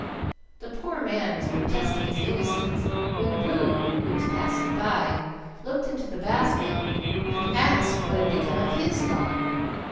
The poor man was protesting his innocence when Boo, who was passing by, looked into the basket, and asked what had become of his lob.